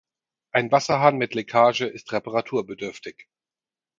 Ein Wasserhahn mit Leckage ist reparaturbedürftig.